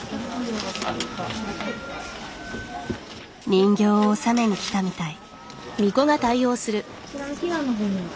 人形を納めに来たみたい。